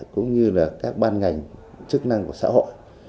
cũng như là các ban ngành chức năng của xã hội